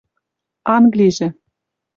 Англижӹ